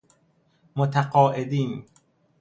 متقاعدین